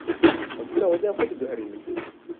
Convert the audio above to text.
Empûla odeya xwe diguherînim.